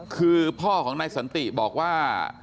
คือพ่อของนายสันติบอกว่า